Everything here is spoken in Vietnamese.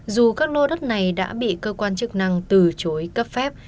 dù các lô đất này đã bị cơ quan chức năng từ chối cấp phép